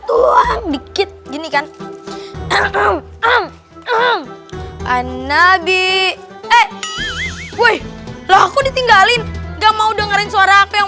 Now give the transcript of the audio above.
tuang dikit gini kan ehem ehem ehem anabi eh woi aku ditinggalin nggak mau dengerin suara aku yang